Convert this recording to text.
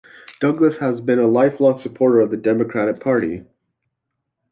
Douglas has been a lifelong supporter of the Democratic Party.